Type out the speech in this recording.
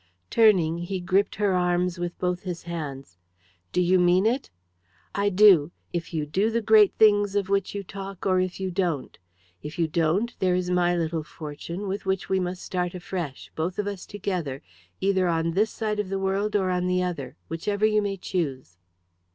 Turning, he gripped her arms with both his hands. "Do you mean it?" "I do; if you do the great things of which you talk or if you don't. If you don't there is my little fortune, with which we must start afresh, both of us together, either on this side of the world or on the other, whichever you may choose."